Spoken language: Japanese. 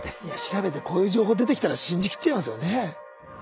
いや調べてこういう情報出てきたら信じきっちゃいますよね。